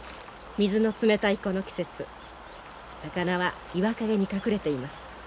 水の冷たいこの季節魚は岩陰に隠れています。